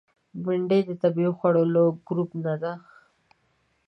بېنډۍ د طبیعي خوړو له ګروپ نه ده